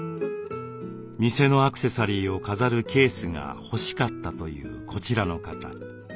店のアクセサリーを飾るケースが欲しかったというこちらの方。